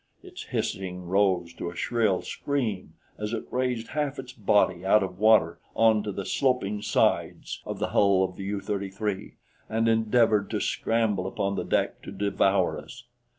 Its hissing rose to a shrill scream as it raised half its body out of water onto the sloping sides of the hull of the U 33 and endeavored to scramble upon the deck to devour us.